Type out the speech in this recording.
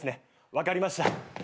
分かりました。